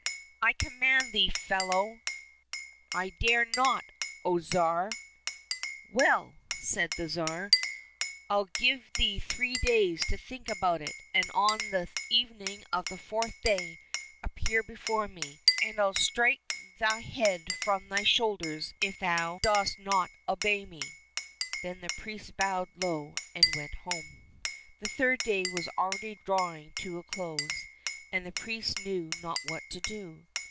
—" I command thee, fellow !"—" I dare not, O Tsar !"—" Well," said the Tsar, " I'll give thee three days to think about it, and on the evening of the fourth day appear before me, and I'll strike thy head from thy shoulders if thou dost not obey me !" Then the priest bowed low and went home. The third day was already drawing to a close, and the priest knew not what to do.